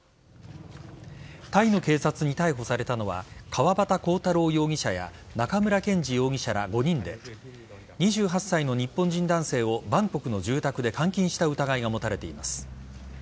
タイの警察に逮捕されたのは川端浩太郎容疑者や中村健二容疑者ら５人で２８歳の日本人男性をバンコクの住宅で監禁した疑いが持たれています。